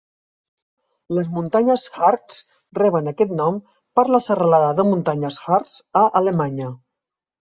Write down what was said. Les muntanyes Hartz reben aquest nom per la serralada de muntanyes Harz a Alemanya.